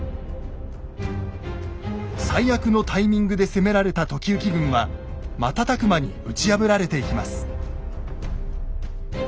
最悪のタイミングで攻められた時行軍は瞬く間に打ち破られていきます。